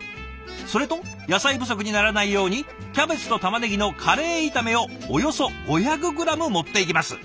それと野菜不足にならないようにキャベツとたまねぎのカレー炒めをおよそ５００グラム持っていきます。